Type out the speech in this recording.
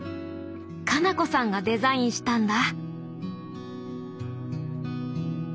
花菜子さんがデザインしたんだ。